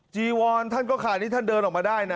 จีวอนท่านก็ขาดนี่ท่านเดินออกมาได้นะ